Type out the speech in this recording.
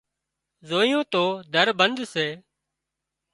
زويون تو در بند سي